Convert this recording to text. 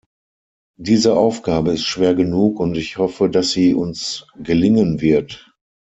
Diese Aufgabe ist schwer genug, und ich hoffe, dass sie uns gelingen wird.